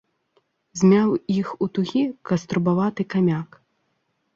Змяў іх у тугі каструбаваты камяк.